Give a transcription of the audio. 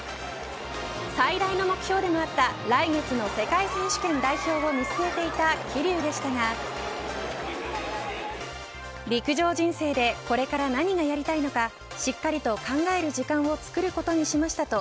最大の目標でもあった来月の世界選手権代表を見据えていた桐生でしたが陸上人生でこれから何がやりたいのかしっかりと考える時間をつくることにしましたと